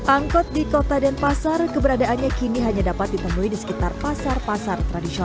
angkot di kota denpasar keberadaannya kini hanya dapat ditemui di sekitar pasar pasar tradisional